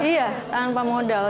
iya tanpa modal